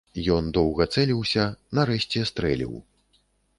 Ён доўга цэліўся, нарэшце стрэліў.